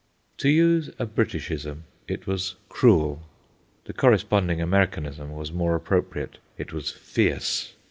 To use a Briticism, it was "cruel"; the corresponding Americanism was more appropriate—it was "fierce."